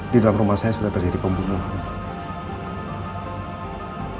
di dalam rumah saya sudah terjadi pembunuhan